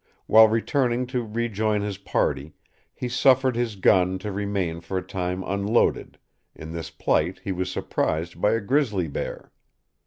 While returning to rejoin his party, he suffered his gun to remain for a time unloaded; in this plight he was surprised by a grizzly bear.